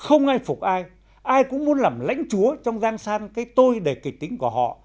không ai phục ai ai cũng muốn làm lãnh chúa trong giang san cái tôi đầy kịch tính của họ